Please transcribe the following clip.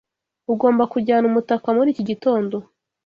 Ugomba kujyana umutaka muri iki gitondo.